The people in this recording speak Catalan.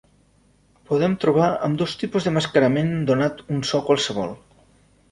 Podem trobar ambdós tipus d'emmascarament donat un so qualsevol.